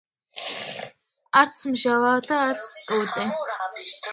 არც მჟავაა და არც ტუტე.